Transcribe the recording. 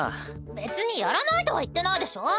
別にやらないとは言ってないでしょ。